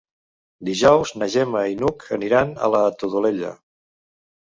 Dijous na Gemma i n'Hug aniran a la Todolella.